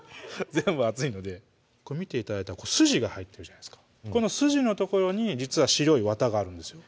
全部熱いのでこれ見て頂いたら筋が入ってるじゃないですかこの筋の所に実は白いわたがあるんですよね